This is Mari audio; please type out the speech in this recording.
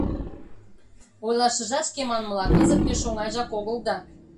— Ойлашыжат, шке манмыла, кызыт пеш оҥайжак огыл да...